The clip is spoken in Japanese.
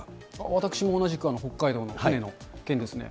私も同じく、北海道の船の件ですね。